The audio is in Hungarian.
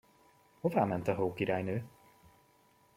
Hová ment a Hókirálynő?